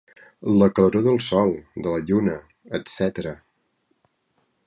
La claror del sol, de la lluna, etc.